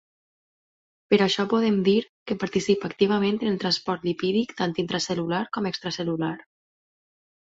Per això podem dir que participa activament en el transport lipídic tant intracel·lular com extracel·lular.